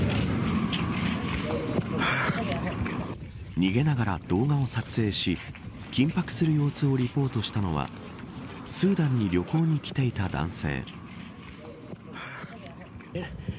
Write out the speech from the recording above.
逃げながら動画を撮影し緊迫する様子をリポートしたのはスーダンに旅行に来ていた男性。